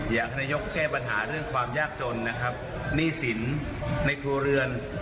ท่านนายกแก้ปัญหาเรื่องความยากจนนะครับหนี้สินในครัวเรือน